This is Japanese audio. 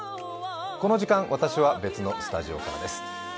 この時間、私は別のスタジオからです。